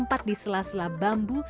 tempat di sela sela bambu